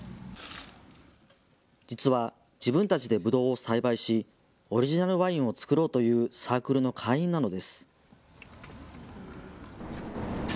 実は、自分たちでぶどうを栽培しオリジナルワインを造ろうというサークルの会員なのです。